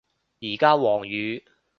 而家黃雨